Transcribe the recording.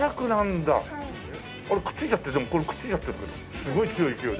あれくっついちゃってでもこれくっついちゃってるすごい強い勢いで。